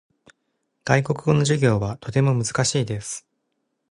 外国語の授業はとても難しいです。